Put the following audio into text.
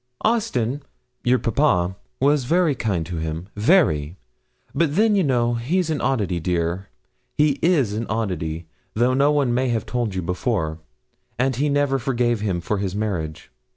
'Austin your papa was very kind to him very; but then, you know, he's an oddity, dear he is an oddity, though no one may have told you before and he never forgave him for his marriage.